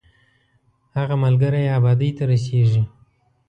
هغه ملګری یې ابادۍ ته رسېږي.